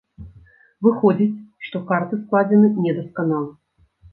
Выходзіць, што карты складзены недасканала.